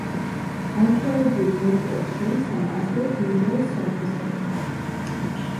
არქეოლოგიურ მონაპოვარს შორისაა ასევე ბრინჯაოს სადგისები.